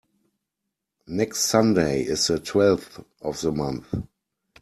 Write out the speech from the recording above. Next Sunday is the twelfth of the month.